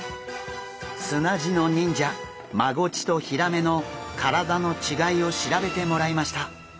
砂地の忍者マゴチとヒラメの体の違いを調べてもらいました。